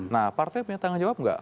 nah partai punya tanggung jawab nggak